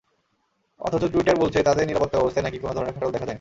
অথচ টুইটার বলছে, তাদের নিরাপত্তাব্যবস্থায় নাকি কোনো ধরনের ফাটল দেখা যায়নি।